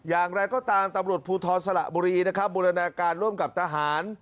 อย่างไรก็ตามตำรวจภูทรสละบุรีนะครับบูรณาการร่วมกับทหาร